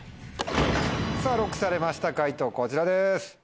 さぁＬＯＣＫされました解答こちらです。